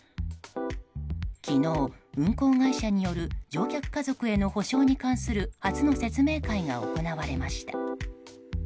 昨日、運航会社による乗客家族への補償に関する初の説明会が行われました。